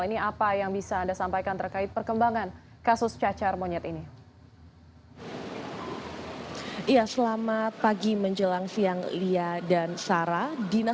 ini apa yang bisa anda sampaikan terkait perkembangan kasus cacar monyet ini